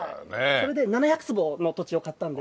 それで７００坪の土地を買ったんで。